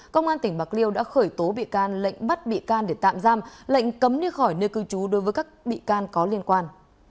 công an tỉnh bạc liêu đã khởi tố bị can lệnh bắt bị can để tạm giam lệnh cấm đi khỏi nơi cư trú đối với các bị can có liên quan